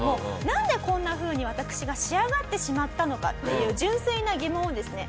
なんでこんな風に私が仕上がってしまったのかっていう純粋な疑問をですね